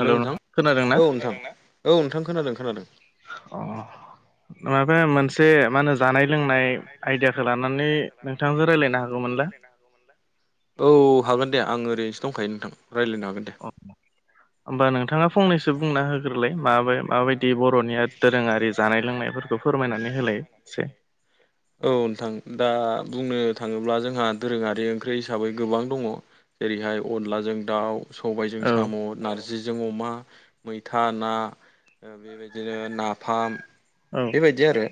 हेल' खोनादों ना औ नोंथां औ नोंथां खोनादों खोनादों अ माबा मोनसे मा होनो जानाय लोंनाय आइडियाखौ लानानै नोंथांजों रायज्लायनो हागौमोन दा। औ हागोन दे आं ओरैनोसो दंखायो नोंथां रायज्लायनो हागोन दे। अ होमबा नोंथाङा फंनैसो सो बुंना होग्रोलाय मि माबायदि बर'नि दोरोङारि जानाय लोंनायफोरखौ फोरमायनानै होलाय एसे। [unintelligible] औ नोंथां दा बुंनो थाङोब्ला जोंहा दोरोङारि ओंख्रि हिसाबै गोबां दङ। जेरैहाय अनलाजों दाउ सबायजों औ साम' नारजिजों अमा मैथा ना बेबायदिनो नाफाम औ बेबायदि आरो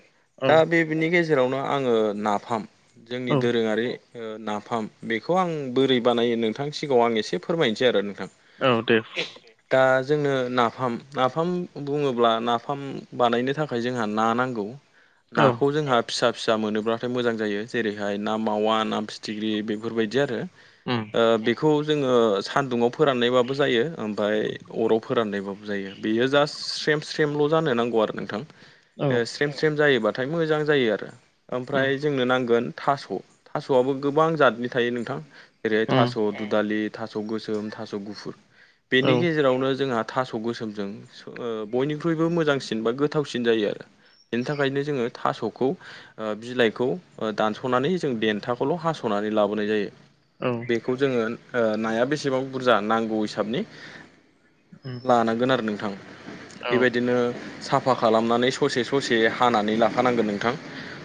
औ दा बेनि गेजेरावनो आङो नाफाम जोंनि औ दोरोङारि ओ नाफाम बेखौ आं बोरै बानायो नोंथांनि सिगाङाव आं एसे फोरमायनोसै आरो नोंथां औ दे दा जोङो नाफाम नाफाम बुङोब्ला नाफाम बानायनो थाखाय जोंहा ना नांगौ। औ नाखौ जोंहा फिसा फिसा मोनोब्लाथाय मोजां जायो जेरैहाय ना मावा ना फिथिख्रि बेफोरबायदि आरो उम ओ बेखौ जोङो सान्दुङाव फोराननायबाबो जायो ओमफफ्राय अराव फोरानलायबाब जायो बेयो जास्ट स्रेम स्रेमल' जानो नांगौ आरो नोंथां। औ स्रेम स्रेम जायोबाथाय मोजां जायो आरो उम ओमफ्राय जोंनो नांगोन थास' थास'आबो गोबां जातनि थायो नोंथां जेरैहाय उम थास' दुदालि थास' गोसोम थास' गुफुर औ बेनि गेजेरावनो जोंहा थास' गोसोमजों ओ बयनिख्रुइबो मोजांसिन बा गोथावसिन जायो आरो। बेनि थाखायनो जोङो थास'खौ ओ बिलाइखौ ओ दानस'नानै जों देन्थाखौल' हास'नानै लाबोनाय जायो। औ बेखौ जोङो ओ नाया बेसेबां बुरजा नांगौ हिसाबनि उम लानांगोन आरो नोंथां औ बेबायदिनो साफा खालामनानै ससे ससे हानानै लाखानांगोन नोंथां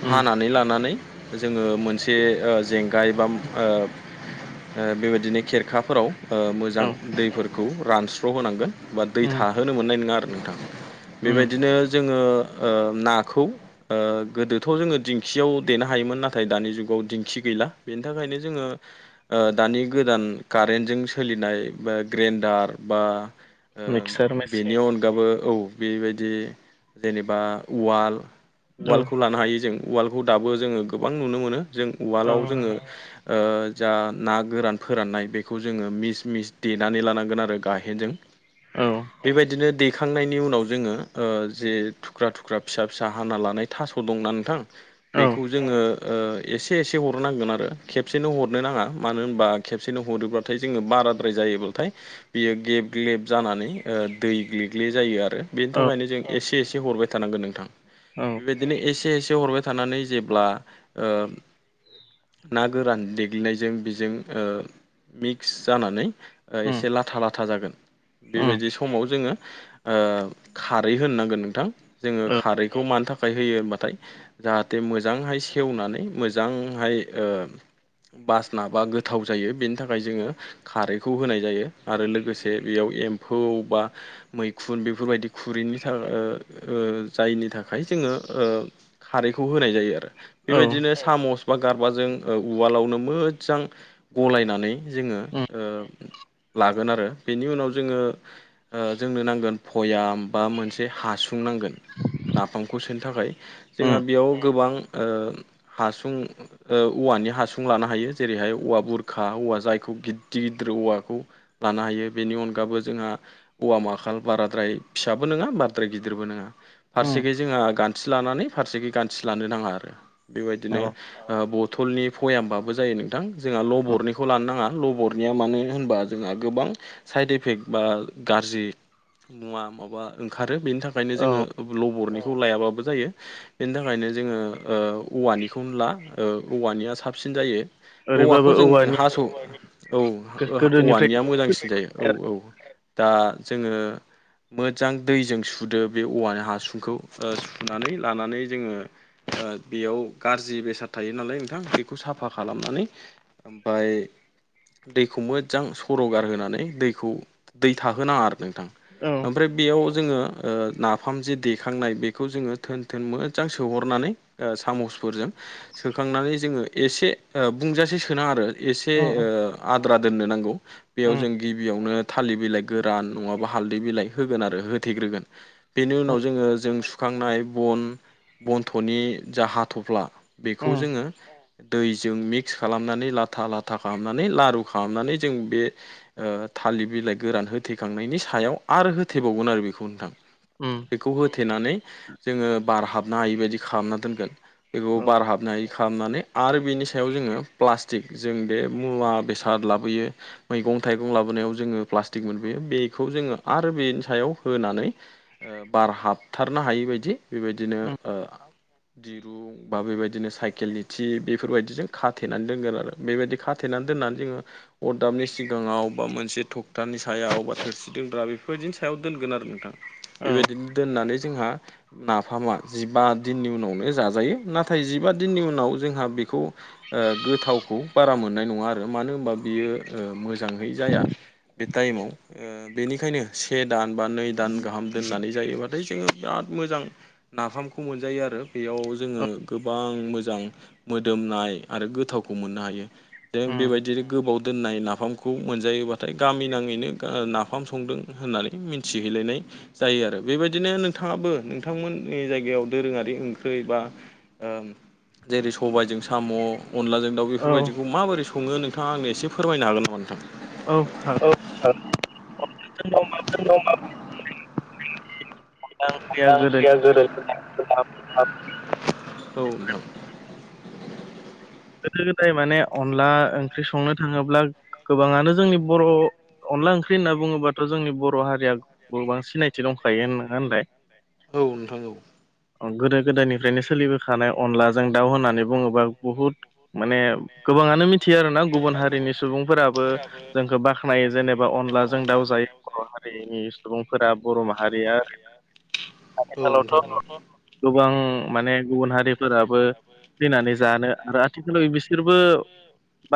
उम हानानै ला नानै जोङो मोनसे ओ जेंगाय बाम ओ ओ बेबायदिनो खेरखाफोराव ओ मोजां औ दैफोरखौ रानस्र'होनांगोन बा दै उम थाहोनो मोननाय नोङा आरो नोंथां। उम बेबायदिनो जोङो ओ नाखौ ओ गोदोथ' जोङो दिंखियाव देनो हायोमोन नाथाय दानि जुगाव दिंखि गैला बेनि थाखायनो जोङो ओ दानि गोदान कारेन्टजों सोलिनाय बा ग्रेन्डार बा मिक्सार ओ मेसिन बेनि अनगाबो औ बेबायदि जेनेबा उवाल औ उवालखौ लानो हायो जों उवालखौ दाबो जोङो गोबां नुनो मोनो जों औ उवालाव जोङो ओ जा ना गोरान फोराननाय बेखौ जोङो मिस मिस देनानै लानांगोन आरो गाहेनजों औ बेबायदिनो दैखांनायनि उनाव जोङो ओ जे थुख्रा थुख्रा, फिसा फिसा हाना लानाय थास' दंना नोंथां औ बेखौ जोङो ओ एसे एसे हर नांगोन आरो खेबसेनो हरनो नाङा मानो होनबा खेबसेनो हरोब्लाथाय जोङो बाराद्राय जायोब्लाथाय बियो गेब ग्लेब जानानै ओ दै ग्लि ग्लि जायो आरो बेनि थाखायनो जों एसे एसे हरबाय थानांगोन नोंथां। बेबायदिनो एसे एसे हरबाय थानानै जेब्ला ओ ना गोरान देग्लिनायजों बेजों ओ मिक्स जानानै ओ उम एसे लाथा लाथा जागोन। उम बेबायदि समाव जोङो ओ खारै होननांगोन नोंथां जोङो खारैखौ मानि थाख खाय होयो होनबाथाय जाहाथे मोजांहाय सेवनानै मोजांहाय ओ बास नाबा गोथाव जायो बेनि थाखाय जोङो खारैखौ होनाय जायो आरो लोगोसे बेयाव एम्फौ बा मैखुन बेफोरबायदि खुरैनि थाख ओ ओ जायनि थाखाय जोङो ओ खारैखौ होनाय जायो आरो औ बेबायदिनो सामस बा गारबाजों ओ उवालावनो मोजां गलायनानै जोङो उम ओ लागोन आरो बेनि उनाव जोङो ओ जोंनो नांगोन भयाम बा मोनसे हास सुं नांगोन नाफामखौ सोनो थाखाय जोंहा उम बेयाव गोबां ओ हासुं ओ औवानि हासुं लानो हायो जेरैहाय औवा बुरखा औवा जायखौ गिदिर गिदिर औवाखौ लानो हायो बेनि अनगाबो जोंहा औवा माखाल बाराद्राय फिसाबो नोङा बाराद्राय गिदिरबो नोङा उम फारसेखै जोंहा गान थि लानानै फारसेखि गानथि लानो नाङा आरो बेबायदिनो औ ओ बथलनि भयामबाबो जायो नों थां जोंहा ल'बरनिखौ लानो नाङा ल'बरनिया मानो होनबा जोंहा गोबां साइड इफेक्ट बा गारजि मुवा माबा ओंखारो बेनि थाखायनो औ जोङो ओब ल'बरनिखौ लायाबाबो जायो। बेनि थाखायनो जोङो ओ औवानिखौनो ला ओ औवानिया साबसिन जायो। ओरैबाबो औवाखौ जों औवानि हास' औ हा ओ हा औवानिया मोजांसिन जायो गोदोनिफ्राय औ औ दा जोङो मोजां दैजों सुदो बे औवानि हासुंखौ ओ सुनानै लानानै जोङो ओ बेयाव गारजि बेसाद थायो नालाय नोंथां बेखौ साफा खालामनानै ओमफाय दैखौ मोजां सर'गारहोनानै दैखौ दै थाहोनाङा आरो नोंथां। औ ओमफ्राय बेयाव जोङो ओ नाफाम जे देखांनाय बेखौ जोङो थोन थोन मोजां सोहरनानै औ सामुसफोरजों सोखांनानै जोङो एसे ओ बुंजासे सोनाङा आरो एसे उम ओ उम आद्रा दोननो नांगौ। बेयाव उम जों गिबियावनो थालिर बिलाइ गोरान नङाबा हालदै बिलाइ होगोन आरो होथेग्रोगोन। बेनि उनाव जोङो जों सुखांनाय बन बनथ'नि जा हाथ'फ्ला उम औ बेखौ जोङो दैजों मिक्स खालामनानै लाथा लाथा खालामनानै लारु खालामनानै जों बे ओ था थलिर बिलाइ गोरान होथेखांनायनि सायाव आरो होथेबावगोन आरो बेखौ नोंथां। उम बेखौ हो थेनानै जोङो बार हाबनो हायैबायायदि खालामना दोनगोन बेखौ औ बार हाबनो हायै खालामनानै आरो बेनि सायाव जोङो प्लास्टिक जों बे मुवा बेसाद लाबोयो मैगं थाइगं लाबोनायाव जोङो प्लास्टिक मोनबोयो बेखौ जोङो आरो बेनि सायाव होनानै ओ बार हाबथारनो हायि बायदि बेबायदिनो ओ दिरुं बा बेबायदिनो साइकेलनि थिब बेफोरबायदिजों खाथेनानै दोनगोन आरो बेबायदि खाथेनानै दोननानै जोङो अरदाबनि सिगाङाव बा मोनसे थखथानि सायाव अबा थोरसि दोनग्रा बेफोरबायदिनि सायाव दोनगोन आरो नोंथां। बेबायदिनो दोननानै जोंहा नाफामा जिबा दिननि उनावनो जाजायो नाथाय जिबा दिननि उनाव जोंहा बेखौ ओ गोथावखौ बारा मोननाय नङा आरो मानो होनबा बियो ओ मोजाङै जाया। बे टाइमाव ओ बेनिखायनो से दान बा नै दान गाहाम दोननानै जायोबाथाय जोङो बिराद मोजां नाफामखौ मोनजायो आरो बेयाव औ जोङो गोबां मोजां मोदोमनाय आरो गोथावखौ मोननो हायो। जों उम बेबायदिनो गोबाव दोननाय नाफामखौ मोनजायोबा नाथाय गामि नाङैनो ओ नाफाम संदों होननानै मिथिहैलायनाय जायो आरो बेबायदिनो नोंथाङाबो नोंथांमोननि जायगायाव दोरोङारि ओंख्रि बा ओं जेरै सबायजों साम' अनलाजों दाउ औ बेफोरबायदिखौ माबोरै सङो नोंथाङा आंनो एसे फोरमायनो हागोन नामा नोंथां? औ हागोन। औ दं [unintelligible] अनला ओंख्रिया गोदोनि [inaudible] गोदो औ नोंथां। गोदो गोदाय माने अनला ओंख्रि संनो थाङोब्ला गोबाङानो जोंनि बर' अनला ओंख्रि होनना बुङोबाथ' जोंनि बर' हारिया गोबां सिनायथि दंखायो होनङा होनलाय? औ नोंथां नंगौ। गोदो गोदायनिफ्रायनो सोलिबोखानाय अनलाजों दाउ होननानै बुङोब्ला बुहुद माने गोबाङानो मिथियो आरोना गुबुन हारिनि सुबुंफोराबो जोंखौ बाख्नायो जेनेबा अनलाजों दावउजायो बर' हारिनि सुबुंफोरा बर' माहारिया औ नोंथां औ आथिखालावथ' गोबां माने गुबुन हारिफोराबो थैनानै जानो आरो आथि बिसोरबो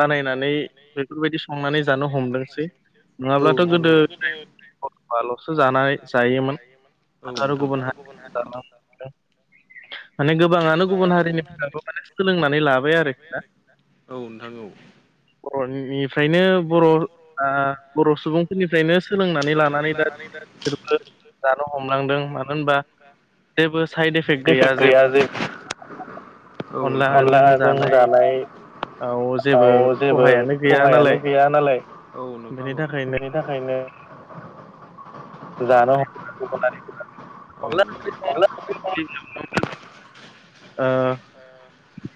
बानायनानै बेफोरबायदि संनानै जानो हमदोंसै नोंथां औ। [unintelligible] ल'सो जानानै जायोमोन औ दाथ' आरो नोंथां गुबुन हारि जानानै माने गोबाङानो गुबुन हारिनिफ्रायाबो माने सोलोंनानै लाबाय आरोखि। औ नोंथां औ। बर'निफ्रायनो बर' बर' सुबुंफोरनिफ्रायनो सोलोंनानै लानानै दा बिसोरबो जानो हमलांदों मानो होनबा जेबो साइड इफेक्ट गैया जेबो अनलाजों जानाय औ जेबो जेबो खहायानो गैया सहायानो नालाय गैया नालाय औ नोंथां बेनि थाखायनो बिनि थाखायनो जानो [inaudible] अनला ओंख्रि [inaudible] ओ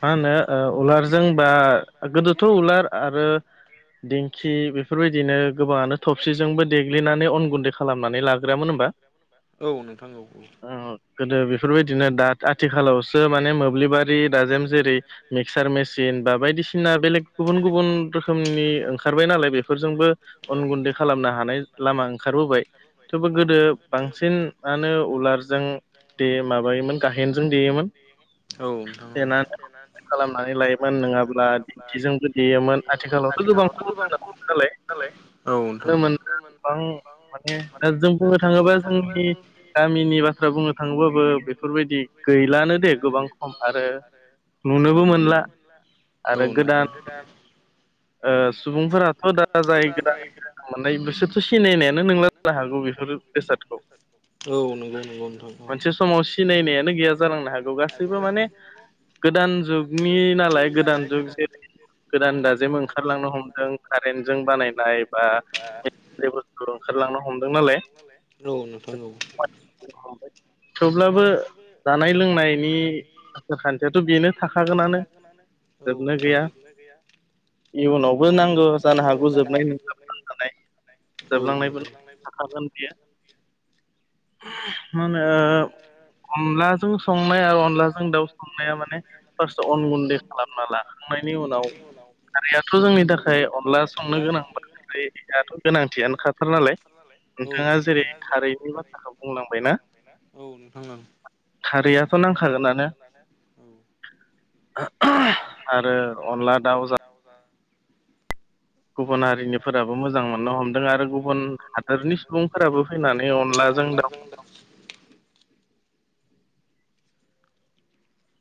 मा होनो ओ उलारजों बा गोदोथ' उलार आरो दिंखि बेफोरबायदिनो गोबाङानो थबसिजोंबो देग्लिनानै अन गुन्दै खालामनानै लाग ग्रोयामोन होमबा औ नोंथां औ औ। औ औ गोदो बेफोरबायदिनो दा आथिखालावसो माने मोब्लिबा रि दाजेम जेरै मिक्सार मेसिन बा बायदिसि थिना बेलेग गुबुन गुबुन रोखोमनि ओंखारबाय नालाय बेफोरजोंबो अन गुन्दै खालामनो हानाय लामा ओंखारबोबाय [unintelligible] गोदो बांसिनआनो उलारजों दे माबायोमोन गाहेनजों देयोमोन। औ देनानै नोंथांनाव खालामनानै लायोमोन [unintelligible] नङाब्ला ब्ला दिंखिजोंबो देयोमोन दिंखिजोंबो आथिखालावथ' गोबां खम देयोमोन जालांबाय नालाय [unintelligible] औ नोंथां। बां माने दा जों बुंनो थाङोबा जोंनि गामिनि बाथ्रा बुंनो थाङोबाबो बेफोरबायदि गैलानो दे गोबां खम आरो नुनोबो मोनला औ आरो गोदान नोंथां। ओ सुबुंफोराथ' दा जाय गोदान [unintelligible] मोननाय बिसोरथ' सिनायनायानो नोंला जानो हागौ बेफोरो बेसादखौ औ नंगौ नंगौ नोंथां मोनसे समाव सिनायनायानो गैया जालांनो हागौ गासैबो माने गोदान जुगनि नालाय गोदान जुग जेरै गोदान दाजेम ओं बा लेबुस्थु ओंखारलांनो हमदों नालाय [unintelligible] रौ नोंथां औ। हमबाय थेवब्लाबो जानाय लोंनायनि [unintelligible] खान्थियाथ' बेनो थाखागोनानो जोबनो गैया [unintelligible] बनो गैया इयुनावबो नांगौ जानो हागौ जोबनाय [unintelligible] औ नोंथां औ जोबलांनायबो नोंथां औ थाखागोन बियो [unintelligible] मानो [unintelligible] अनलाजों संनाय आरो अनलाजों दाउ संनाया माने फार्स्ट अन गुन्दै खालामना ला खांनायनि उनाव खारैआथ' जोंनि थाखाय अनला संनो [unintelligible] गोनांथियानो खाथार नालाय नोंथाङा नोंथां जेरै खारै‌नि बाथ्राखौ बुंलांबाय ना औ औ नोंथां औ खारैआथ' नांखागोनानो औ। [unintelligible] आरो अनला दाउ जा गुबुन हारिनिफोराबो मोजां मोननो हमदों आरो गुबुन हादोरनि सुबुं फोराबो फैनानै अनलाजों दाउ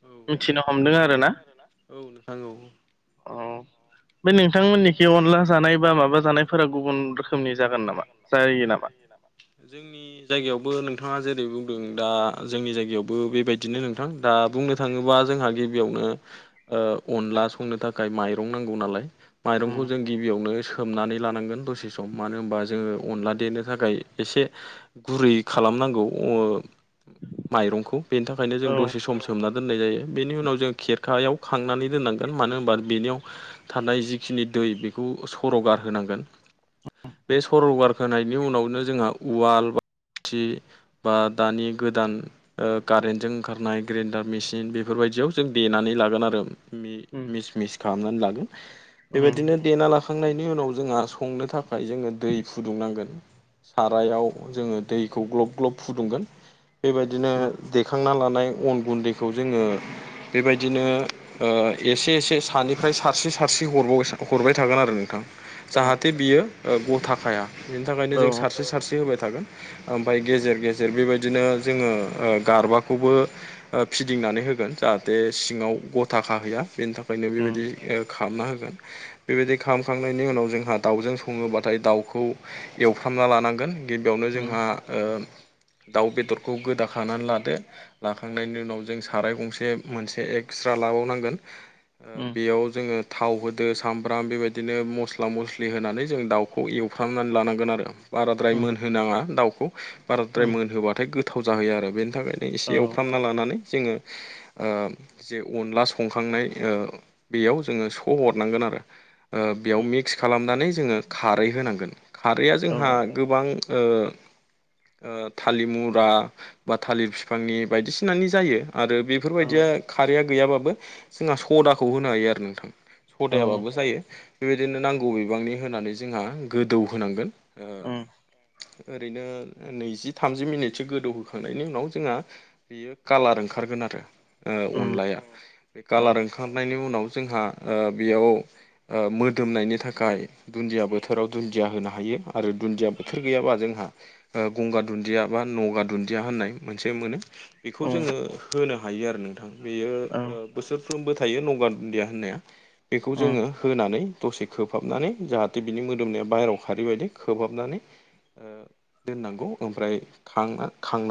औ मिथिनो हमदों आरो ना औ नोंथां औ। [unintelligible] बे नोंथांमोननिखि अनला जानाय बा माबा जानायफोरा गुबुन रोखोमनि जागोन नामा जायो नामा? जोंनि नि जायगायावबो नोंथाङा जेरै बुंदों दा जोंनि जायगायावबो बेबायदिनो नोंथां दा बुंनो थाङोबा जोंहा गिबियावनो ओ अनला संनो थाखाय माइरं नांगौ नालाय उम माइरंखौ जों गिबियावनो सो होमनानै लानांगोन दसे सम मानो होमबा जोङो अनला देनो थाखाय एसे गुरै खालामनांगौ [unintelligible] माइरंखौ बेनि थाखायनो जों औ दसे समस होमना दोननाय जायो बेनि उनाव जों खेरखायाव खांनानै दोननांगोन मानो होमबा बेनियाव थानाय जिखिनि दै बेखौ सर'गारहोनांगोन बे सर'गारखोनायनि उनावनो जोंहा उवाल बाथि बा दानि गोदान ओ कारेन्टजों ओंखारनाय ग्रेन्डार मेसिन बेफोरबायदियाव जों देनानै लागोन आरो मि उम मिस मिस खामनानै लागोन उम बेबायदिनो देना लाख खांनायनि उनाव जोंहा संनो थाखाय जोङो दै फुदुंनांगोन। सारायाव जोङो दैखौ ग्लब ग्लब फुदुंगोन। बेबायदिनो उम देखांना लानाय अन गुन्दैखौ जोङो बेबायदिनो। ओ-एसे एसे सानिफ्राय सारस्रि सारस्रि हराव हरबाय थागोन आरो नोंथां। जाहाथे बियो गथाखाया बिनि थाखायनो औ जों औ सारस्रि सारस्रि होबाय थागोन। ओमफ्राय गेजेर गेजेर बेबायदिनो जोङो ओ गारबाखौबो। फिदिंनानै होगोन जाहाथे सिङाव गथा खाहैैया बेनि थाखायनो उम बेबायदि खा खालामना होगोन। बेबायदि खालामखांनायनि उनाव जोंहा दाउजों सङोब्लाथाय दाउखौ एवफ्रामना लानांगोन। गिबियावनो उम जोंहा ओ दाउ बेदरखौ गोदाखानानै लादो लाखां। थांनायनि उनाव जों साराय गंसे मोनसे एक्सट्रा लाबावनांगोन उम ओ-बेयाव जोङो। थाव होदो सामब्राम बेबायदिनो मस्ला मस्लि होनानै जों दाउखौ एवफ्रामनानै लानांगोन आरो। बाराद्राय उम मोनहोनाङा दाउखौ बाराद्राय उम मोनहोब्लाथाय गोथाव जाहोयो आरो बेनि थाखायनो औ एसे खालामना लानानै जोङो। ओ जे अनला संखांनाय बेयाव जोङो स हरनांगोन आरो। ओ-बेयाव मिक्स खालामनानै जोङो खारै होनांगोन। खारैआ औ जोंहा गोबां ओ ओ थालिर मुरा बा थालिर बिफांनि बायदिसिनानि जायो। आरो औ बेफोरबायदिया खारैया गैयाबाबो जोंहा सदाखौ होनो हायो आरो नोंथां। औ सदायाबाबो जायो बेबायदिनो नांगौ बिबांनि होनानै जोंहा गोदौ होनांगोन। ओ उम ओरैनो नैजि थामजि मिनिटसो गोदौहोखांनायनि उनाव जोंहा। बेयो कालार ओंखारगोन आरो ओ उम अनलाया बे औ कालार।। ओंखारनायनि उनाव जोंहा ओ-बेयाव। ओ-मोदोमनायनि थाखाय दुन्दिया बोथोराव दुन्दिया होनो हायो। आरो दुन्दिया बोथोर गैयाबा जोंहा। गंगा दुन्दिया बा नगा दुन्दिया होननाय मोनसे मोनो। बेखौ उम जोङो होनो हायो आरो नोंथां बेयो औ ओ बोसोरफ्रोमबो थायो गंगार दुन्दिया होननाया बेखौ उम जोङो होनानै। दसे खोबहाबनानै जाहाथे बिनि मोदोमनाया बाहेरायाव ओंखारैबायदि खोबहाबनानै। ओ-दोननांगौ ओमफ्राय खांना खांना